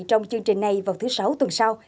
trong chương trình này vào thứ sáu tuần sau